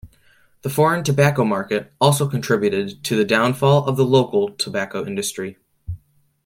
The foreign tobacco market also contributed to the downfall of the local tobacco industry.